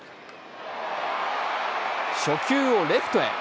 初球をレフトへ。